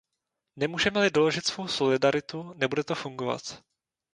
Nemůžeme-li doložit svou solidaritu, nebude to fungovat.